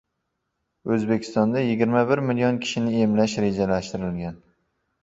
O‘zbekistonda yigirma bir million kishini emlash rejalashtirilgan